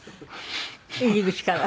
入り口から？